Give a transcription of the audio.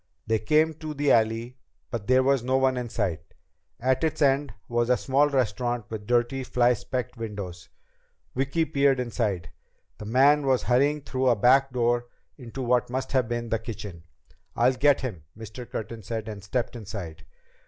They came to the alley, but there was no one in sight. At its end was a small restaurant with dirty, fly specked windows. Vicki peered inside. The man was hurrying through a back door into what must have been the kitchen. "I'll get him," Mr. Curtin said, and stepped inside.